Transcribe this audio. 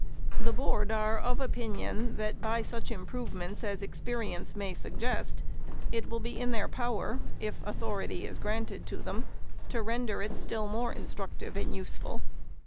The Board are of opinion, that, by such improvements as experience may suggest, it will be in their power, — if authority be granted to them, — to render it still more instructive and useful.